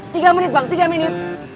tiga menit bang tiga menit